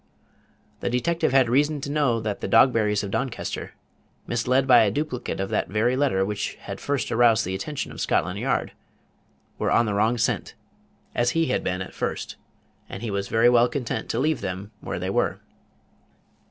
The detective had reason to know that the Dogberrys of Doncaster, misled by a duplicate of that very letter which had first aroused the attention of Scotland Yard, were on the wrong scent, as he had been at first; and he was very well content to leave them where they were.